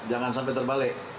jangan sampai terbalik